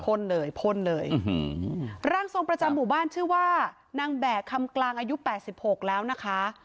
เลยพ่นเลยร่างทรงประจำหมู่บ้านชื่อว่านางแบกคำกลางอายุแปดสิบหกแล้วนะคะ